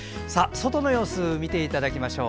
外の様子見ていただきましょう。